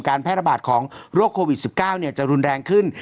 แพร่ระบาดของโรคโควิด๑๙จะรุนแรงขึ้น